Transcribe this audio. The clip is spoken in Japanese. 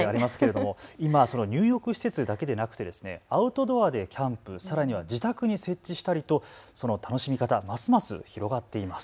今その入浴施設だけでなくアウトドアでキャンプ、さらには自宅に設置したりとその楽しみ方はますます広がっています。